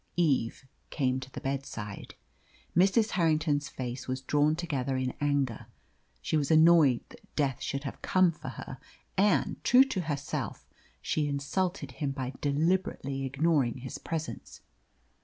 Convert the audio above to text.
Eve came to the bedside. Mrs. Harrington's face was drawn together in anger. She was annoyed that Death should have come for her, and, true to herself, she insulted him by deliberately ignoring his presence.